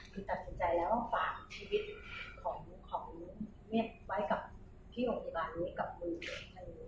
คุณตัดสินใจแล้วว่าฝากชีวิตของคุณไปกับที่โรคบริบันนี้กับมือเกิดขนาดนี้